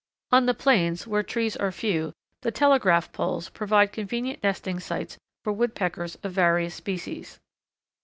On the plains, where trees are few, the telegraph poles provide convenient nesting sites for Woodpeckers of various species.